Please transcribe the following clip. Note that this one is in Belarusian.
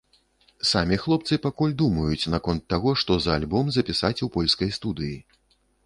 Самі хлопцы пакуль думаюць наконт таго, што за альбом запісаць у польскай студыі.